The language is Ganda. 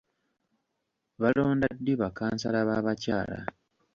Balonda ddi ba kansala b'abakyala?